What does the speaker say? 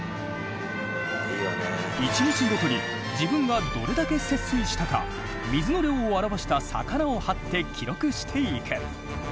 １日ごとに自分がどれだけ節水したか水の量を表した魚を貼って記録していく。